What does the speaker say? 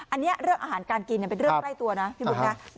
อันนี้เรื่องอาหารการกินเป็นเรื่องใกล้ตัวนะพี่บุ๊คนะ